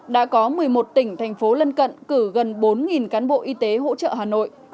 đã có một mươi một tỉnh thành phố lân cận cử gần bốn cán bộ y tế hỗ trợ hà nội